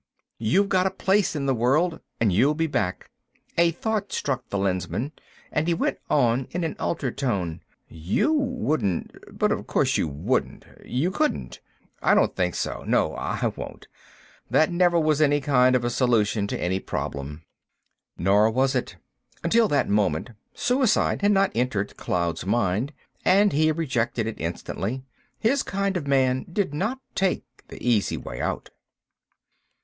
You've got a place in the world, and you'll be back—" A thought struck the Lensman, and he went on in an altered tone. "You wouldn't—but of course you wouldn't—you couldn't." "I don't think so. No, I won't—that never was any kind of a solution to any problem." Nor was it. Until that moment, suicide had not entered Cloud's mind, and he rejected it instantly. His kind of man did not take the easy way out.